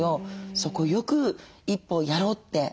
そこをよく一歩をやろうって。